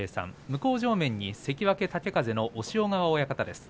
向正面に関脇豪風の押尾川親方です。